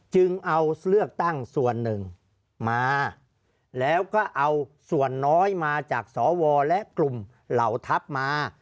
จึงเอาเลือกตั้งส่วนหนึ่งมาแล้วก็เอาส่วนน้อยมาจากสวและกลุ่มเหล่าทัพมา